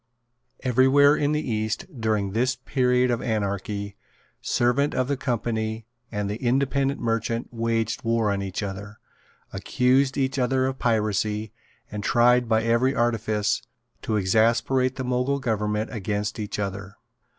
Every where in the East, during this period of anarchy, servant of the Company and the independent merchant waged war on each other, accused each other of piracy, and tried by every artifice to exasperate the Mogul government against each other.